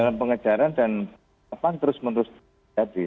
dalam pengejaran dan penangkapan terus menerus terjadi